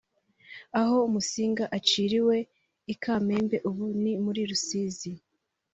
Aho Musinga aciriwe i Kamembe (ubu ni muri Rusizi)